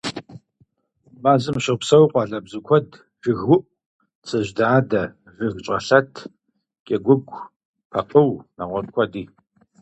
Мэзым щопсэу къуалэбзу куэд: жыгыуӀу, цӀыжьдадэ, жыгщӀэлъэт, кӀыгуугу, пэкъыу, нэгъуэщӀ куэди.